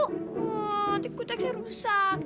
tuh tipe kuteksnya rusak